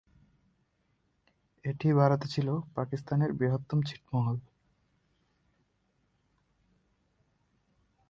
এটি ছিল ভারতে অবস্থিত পাকিস্তানের বৃহত্তম ছিটমহল।